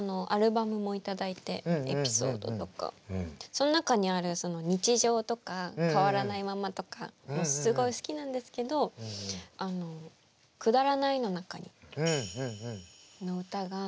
その中にある「日常」とか「変わらないまま」とかもすごい好きなんですけどあの「くだらないの中に」の歌が。